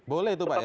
boleh itu pak ya